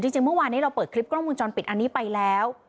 จริงเมื่อวานนี้เราเปิดคลิปกล้องมุมจรปิดอันนี้ไปแล้ว